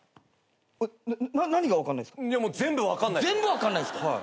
全然分かんないっすか？